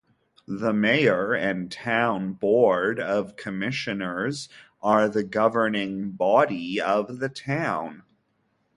The Mayor and Town Board of Commissioners are the governing body of the Town.